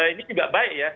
ini juga baik ya